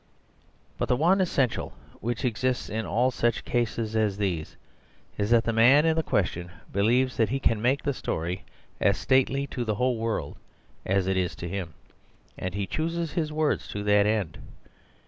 But the one essential which exists in all such cases as these is that the man in question believes that he can make the story as stately to the whole world as it is to him, and he chooses his words to that end.